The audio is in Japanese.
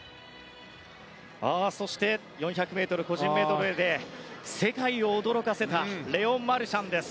そして、４００ｍ個人メドレーで世界を驚かせたレオン・マルシャンです。